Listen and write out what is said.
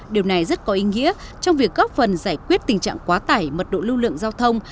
điều này rất có ý nghĩa trong việc góp phần giải quyết tình trạng quá tải mật độ lưu lượng giao thông